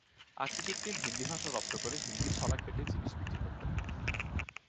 আকিজউদ্দীন হিন্দি ভাষা রপ্ত করে হিন্দি ছড়া কেটে জিনিস বিক্রি করতেন।